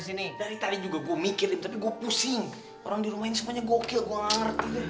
sini dari tadi juga gue mikirin tapi gue pusing orang di rumah semuanya gokil gua